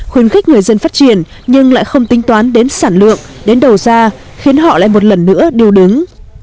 khuyến khích người dân phát triển nhưng lại không tính toán đến sản lượng đến đầu ra khiến họ lại một lần nữa điêu đứng